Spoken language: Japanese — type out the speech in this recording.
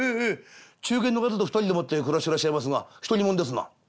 中間の方と二人でもって暮らしてらっしゃいますが独り者ですな」。